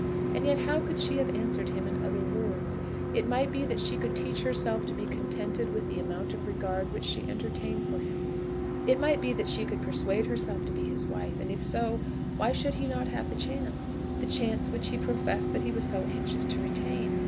And yet how could she have answered him in other words? It might be that she could teach herself to be contented with the amount of regard which she entertained for him. It might be that she could persuade herself to be his wife; and if so, why should he not have the chance, the chance which he professed that he was so anxious to retain?